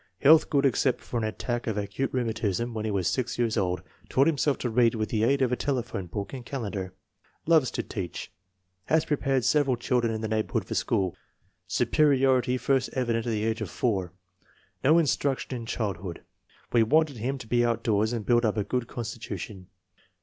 Health good except for an attack of acute rheumatism when he was 6 years old. Taught himself to read with the aid of a telephone book and calendar. Loves to teach. Has prepared several FORTY ONE SUPERIOR CHILDREN 321 children in the neighborhood for school. Superiority first evident at the age of 4. No instruction in child hood. " We wanted him to be outdoors and build up a good constitution."